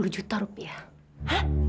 lima puluh juta rupiah